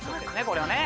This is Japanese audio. これはね。